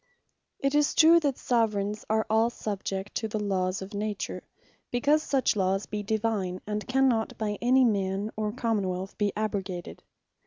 It is true, that Soveraigns are all subjects to the Lawes of Nature; because such lawes be Divine, and cannot by any man, or Common wealth be abrogated.